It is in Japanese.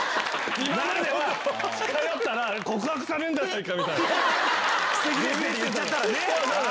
えっ！